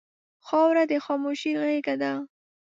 خاوره د خاموشۍ غېږه ده.